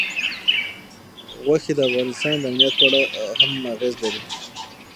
غوښې د افغانستان د امنیت په اړه هم اغېز لري.